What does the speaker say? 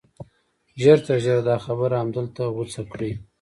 ژر تر ژره دا خبره همدلته غوڅه کړئ